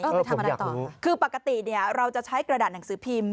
ไปทำอะไรต่อคือปกติเนี่ยเราจะใช้กระดาษหนังสือพิมพ์